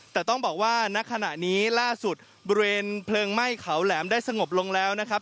แต่ต้องบอกว่าณขณะนี้ล่าสุดบริเวณเพลิงไหม้เขาแหลมได้สงบลงแล้วนะครับ